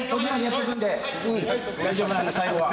大丈夫なんで最後は。